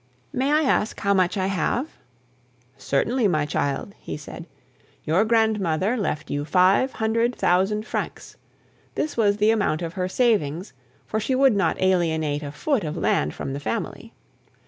"May I ask how much I have?" "Certainly, my child," he said. "Your grandmother left you five hundred thousand francs; this was the amount of her savings, for she would not alienate a foot of land from the family.